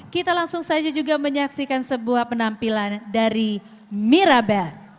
kita langsung saja juga menyaksikan sebuah penampilan dari miraba